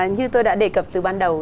như tôi đã đề cập từ ban đầu